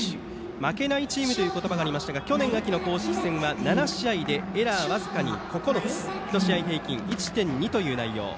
負けないチームという言葉がありましたが去年秋の公式戦は７試合でエラー僅かに９つ１試合平均１．２という内容。